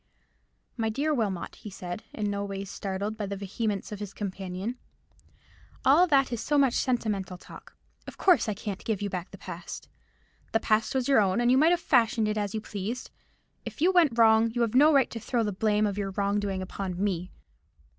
"My dear Wilmot," he said, in no wise startled by the vehemence of his companion, "all that is so much sentimental talk. Of course I can't give you back the past. The past was your own, and you might have fashioned it as you pleased. If you went wrong, you have no right to throw the blame of your wrong doing upon me.